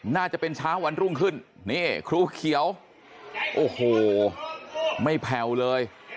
น่าจะเป็นเช้าวันรุ่งขึ้นนี่ครูเขียวโอ้โหไม่แผ่วเลย